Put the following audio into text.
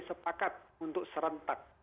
sepakat untuk serentak